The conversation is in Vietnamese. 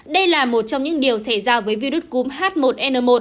đây là một trong những điều xảy ra với virus cúm h một n một